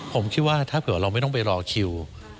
ผมคิดว่าถ้าเผื่อเราไม่ต้องไปรอคิว